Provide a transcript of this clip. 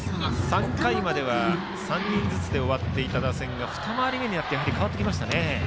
３回までは３人ずつで終わっていた打線が二回り目になって変わってきましたね。